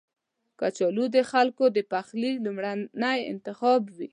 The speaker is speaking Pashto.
کچالو د خلکو د پخلي لومړنی انتخاب وي